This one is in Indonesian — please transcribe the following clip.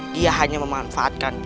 dia hanya memanfaatkanku